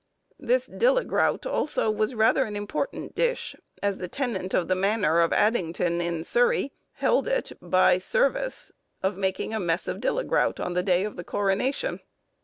This dillegrout also was rather an important dish, as the tenant of the manor of Addington, in Surrey, held it by service of making a mess of dillegrout on the day of the coronation.